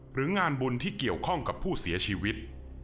งานบุญที่เกี่ยวข้องกับผู้เสียชีวิต